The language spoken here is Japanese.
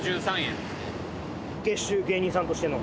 月収芸人さんとしての？